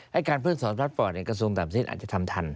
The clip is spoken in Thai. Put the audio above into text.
ให้การเพิ่งถอนพาสปอร์ตกระทรวงต่างเศษอาจจะทำทัน